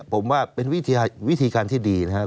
ผมว่าเป็นวิธีการที่ดีนะครับ